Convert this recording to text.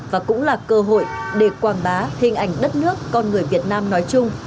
và cũng là cơ hội để quảng bá hình ảnh đất nước con người việt nam nói chung